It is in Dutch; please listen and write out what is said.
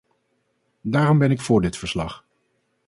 Daarom ben ik voor dit verslag.